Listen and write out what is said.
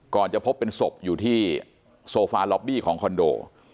จะพบเป็นศพอยู่ที่โซฟาล็อบบี้ของคอนโด